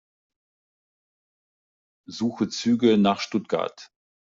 Suche Züge nach Stuttgart.